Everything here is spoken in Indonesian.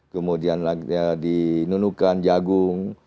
kemudian di nunukan jagung